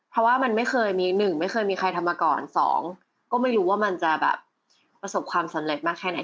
เพราะว่ามันไม่เคยมีหนึ่งไม่เคยมีใครทำมาก่อน๒ก็ไม่รู้ว่ามันจะแบบประสบความสำเร็จมากแค่ไหน